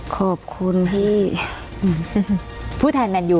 ขอบคุณพี่